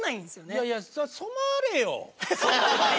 いやいや染まれよ。